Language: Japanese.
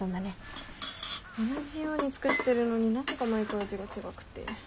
同じように作ってるのになぜか毎回味が違くて。